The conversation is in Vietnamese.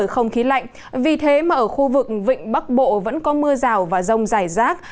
không khí lạnh vì thế mà ở khu vực vịnh bắc bộ vẫn có mưa rào và rông dài rác